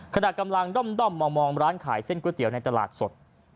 ขณะกำลังด้อมมองร้านขายเส้นก๋วยเตี๋ยวในตลาดสด